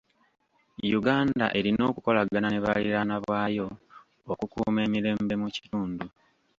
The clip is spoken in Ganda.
Uganda erina okukolagana ne baliraanwa baayo okukuuma emirembe mu kitundu.